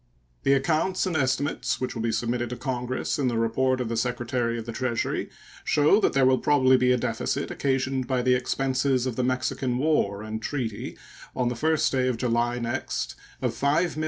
The accounts and estimates which will be submitted to Congress in the report of the Secretary of the Treasury show that there will probably be a deficit occasioned by the expenses of the Mexican War and treaty on the 1st day of July next of $5,828,121.